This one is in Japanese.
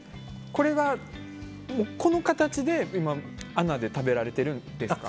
これがこの形でＡＮＡで食べられてるんですか？